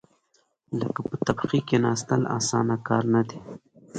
لکه په تبخي کېناستل، اسانه کار نه دی.